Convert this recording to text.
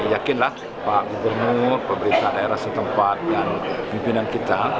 yakinlah pak gubernur pemerintah daerah setempat dan pimpinan kita